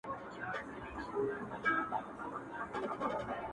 داسي شرط زموږ په نصیب دی رسېدلی٫